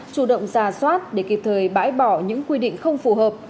chủ động ra soát để kịp thời bãi bỏ những quy định không phù hợp